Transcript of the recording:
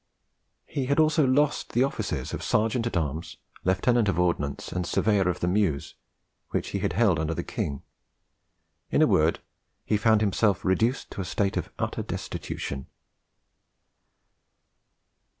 He had also lost the offices of Serjeant at arms, Lieutenant of Ordnance, and Surveyor of the Mews, which he had held under the king; in a word, he found himself reduced to a state of utter destitution.